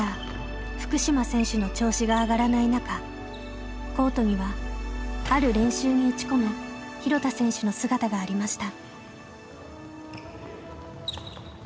福島選手の調子が上がらない中コートにはある練習に打ち込む廣田選手の姿がありました。